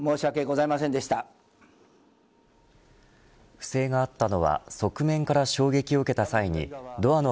不正があったのは側面から衝撃を受けた際にドアの